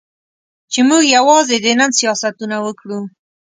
چې موږ یوازې د نن سیاستونه وکړو.